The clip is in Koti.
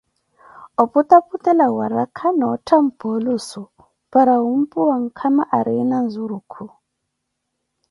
oputaputela warakha na ottha mpoolusu, para wumpuwa nkama ariina nzurukhu.